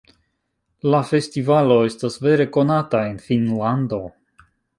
La festivalo estas vere konata en Finnlando.